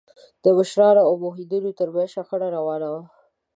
د مشرکانو او موحدینو تر منځ شخړه روانه وه.